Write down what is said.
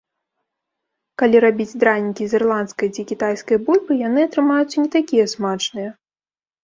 Калі рабіць дранікі з ірландскай ці кітайскай бульбы, яны атрымаюцца не такія смачныя.